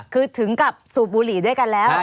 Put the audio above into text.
คือถึงกับสูบบุหรี่ด้วยกันแล้ว